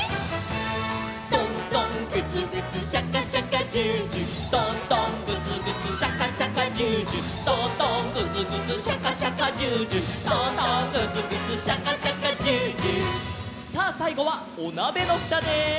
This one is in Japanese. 「トントングツグツシャカシャカジュージュー」「トントングツグツシャカシャカジュージュー」「トントングツグツシャカシャカジュージュー」「トントングツグツシャカシャカジュージュー」さあさいごはおなべのふたで。